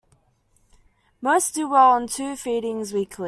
Most do well on two feedings weekly.